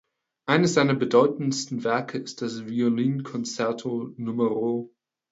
Eines seiner bedeutendsten Werke ist das Violin Concerto No.